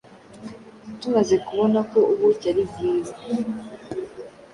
tumaze kubona ko ubuki ari bwiza